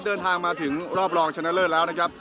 เดินทางมาถึงรอบรองชนะเลิศแล้วนะครับ